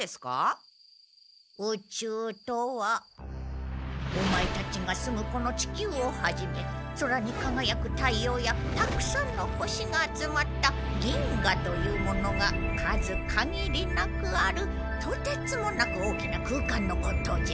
宇宙とはオマエたちが住むこの地球をはじめ空にかがやく太陽やたくさんの星が集まった銀河というものが数かぎりなくあるとてつもなく大きな空間のことじゃ。